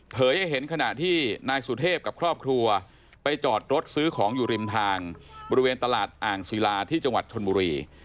ให้เห็นขณะที่นายสุเทพกับครอบครัวไปจอดรถซื้อของอยู่ริมทางบริเวณตลาดอ่างศิลาที่จังหวัดชนบุรี